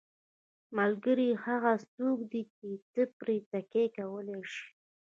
ملګری هغه څوک دی چې ته پرې تکیه کولی شې.